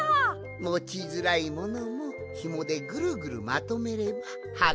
もちづらいものもヒモでぐるぐるまとめればはこびやすいぞい。